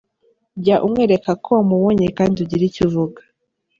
Jya umwereka ko wamubonye kandi ugire icyo uvuga.